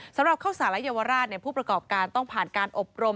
สำหรับข้าวสารและเยาวราชผู้ประกอบการต้องผ่านการอบรม